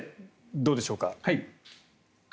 どうでしょうか。